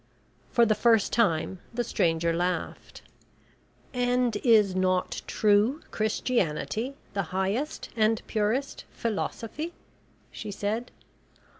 For the first time the stranger laughed. "And is not true Christianity the highest and purest philosophy?" she said.